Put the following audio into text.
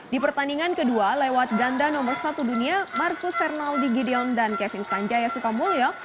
di pertandingan kedua lewat ganda nomor satu dunia marcus fernaldi gideon dan kevin sanjaya sukamulyo